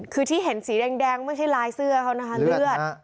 คือที่เห็นสีแดงไม่ใช่ลายเสื้อเขานะคะเลือด